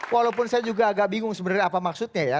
walaupun saya juga agak bingung sebenarnya apa maksudnya ya